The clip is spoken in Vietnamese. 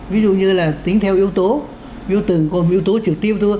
ví dụ như là tính theo yếu tố yếu tử còn yếu tố trực tiếp